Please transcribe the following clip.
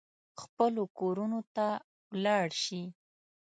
خپلو کورونو ته ولاړ شي.